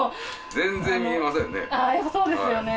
全然見えませんね。